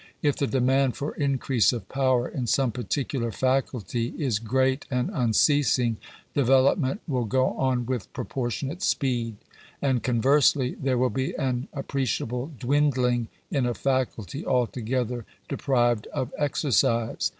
If the demand for increase of power in some particular faculty is great and unceasing, development will go on with proportionate speed. And, conversely, there will be an appre ciable dwindling in a faculty altogether deprived of exercise.